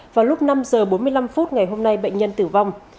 vào lúc năm h bốn mươi năm phút ngày hôm nay bệnh nhân tử vong